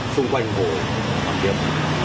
xung quanh hồ hoàn kiếm